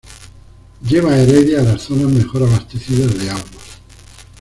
Lleva a Heredia a las zonas mejor abastecidas de agua.